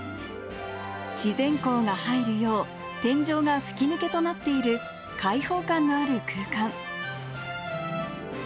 自然光が入るよう、天井が吹き抜けとなっている、開放感のある空間。